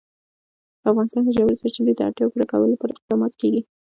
په افغانستان کې د ژورې سرچینې د اړتیاوو پوره کولو لپاره اقدامات کېږي.